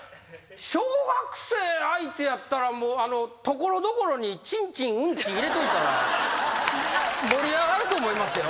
小学生相手やったら所々に「ちんちん」「うんち」入れといたら盛り上がると思いますよ。